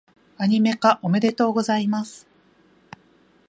アニメ化、おめでとうございます！